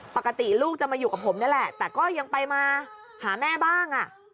ปกติลูกจะมาอยู่กับผมนี่แหละแต่ก็ยังไปมาหาแม่บ้าง